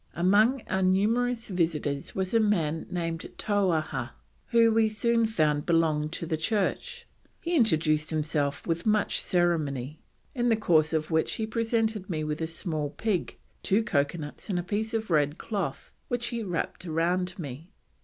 "Among our numerous visitors was a man named Touahah, who we soon found belonged to the church; he introduced himself with much ceremony, in the course of which he presented me with a small pig, two coconuts and a piece of red cloth which he wrapped round me.